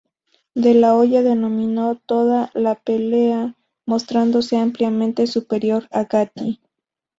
De la Hoya dominó toda la pelea, mostrándose ampliamente superior a Gatti.